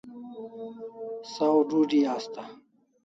Saw dudi asta